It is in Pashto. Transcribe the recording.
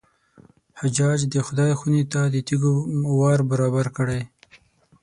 حجاج د خدای خونې ته د تېږو وار برابر کړی.